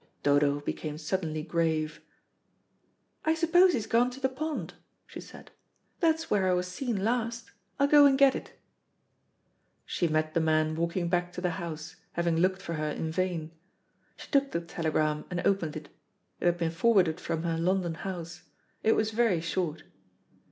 Dodo became suddenly grave. "I suppose he's gone to the pond," she said; "that's where I was seen last. I'll go and get it." She met the man walking back to the house, having looked for her in vain. She took the telegram and opened it. It had been forwarded from her London house. It was very short.